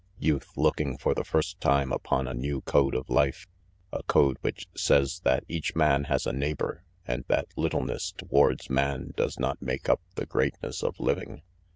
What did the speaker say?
Youth, looking for the first time upon a new code of life, a code which says that each man has a neighbor and that littleness towards man does not make up the greatness of living.